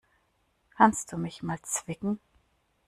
Kannst du mich mal zwicken?